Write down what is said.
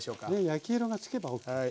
焼き色がつけばＯＫ。